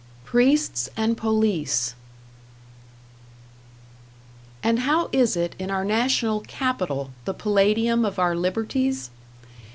#Priests and Police# And how is it in our national capital, the palladium of our liberties?